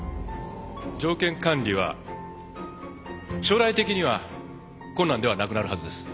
条件管理は将来的には困難ではなくなるはずです